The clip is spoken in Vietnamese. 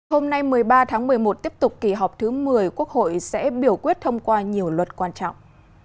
hôm nay một mươi ba tháng một mươi một tiếp tục kỳ họp thứ một mươi quốc hội sẽ biểu quyết thông qua nhiều luật quan trọng